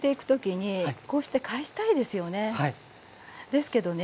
ですけどね